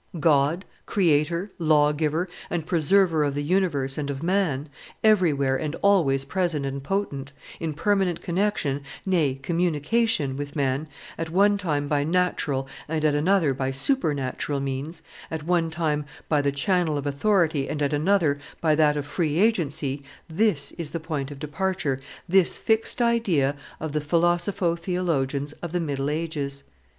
God, creator, lawgiver, and preserver of the universe and of man, everywhere and always present and potent, in permanent connection, nay, communication, with man, at one time by natural and at another by supernatural means, at one time by the channel of authority and at another by that of free agency, this is the point of departure, this the fixed idea of the philosopho theologians of the middle ages.